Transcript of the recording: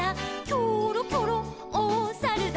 「キョロキョロおサルだ」